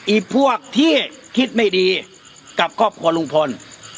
พวกที่คิดไม่ดีกับครอบครัวลุงพล